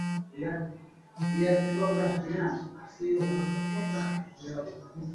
দাঁড়াও, তাকাও তো আমার দিকে।